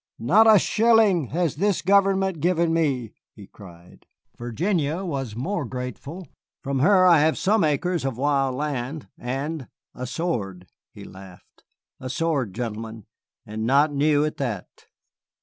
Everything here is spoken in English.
"Not a shilling has this government given me," he cried. "Virginia has more grateful; from her I have some acres of wild land and a sword." He laughed. "A sword, gentlemen, and not new at that.